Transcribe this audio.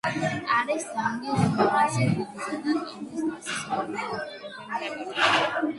არის ტონგის უმაღლესი ლიგისა და ტონგის თასის ორგანიზატორი.